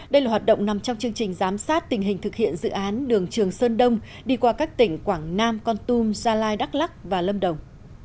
đây là hoạt động nằm trong chương trình giám sát tình hình thực hiện dự án đường trường sơn đông đi qua các tỉnh quảng nam con tum gia lai đắk lắc và lâm đồng